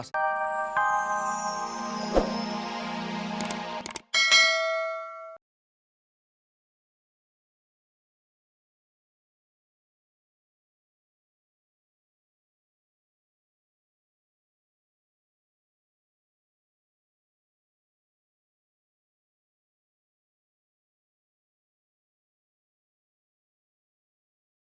udah termakan rayuan